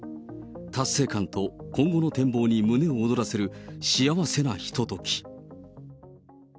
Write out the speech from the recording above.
達成感と今後の展望に胸を躍らせる幸せなひと時。